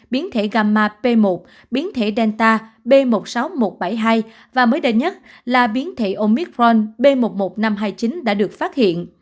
biến thể gamma b một biến thể delta b một sáu một bảy hai và mới đây nhất là biến thể omicron b một một năm hai mươi chín đã được phát hiện